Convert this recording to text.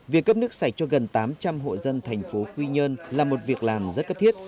việc cấp nước sạch cho gần tám trăm linh hộ dân thành phố quy nhơn là một việc làm rất cấp thiết